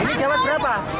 ini jawab berapa